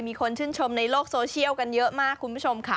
มีคนชื่นชมในโลกโซเชียลกันเยอะมากคุณผู้ชมค่ะ